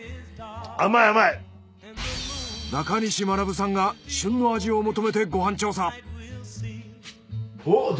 中西学さんが旬の味を求めてご飯調査。